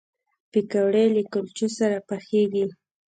پکورې له کلچو سره پخېږي